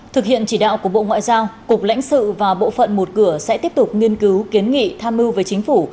thực hiện chỉ đạo của bộ ngoại giao cục lãnh sự và bộ phận một cửa sẽ tiếp tục nghiên cứu kiến nghị tham mưu với chính phủ